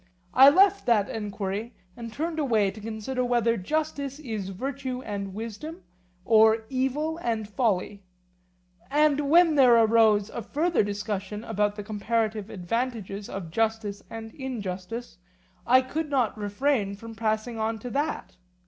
I left that enquiry and turned away to consider whether justice is virtue and wisdom or evil and folly; and when there arose a further question about the comparative advantages of justice and injustice, I could not refrain from passing on to that.